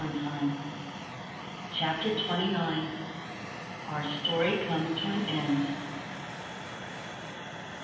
CHAPTER TWENTY NINE. OUR STORY COMES TO AN END.